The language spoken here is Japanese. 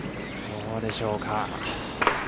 どうでしょうか。